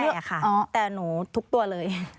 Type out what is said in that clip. ใช่ค่ะแต่หนูทุกตัวเลย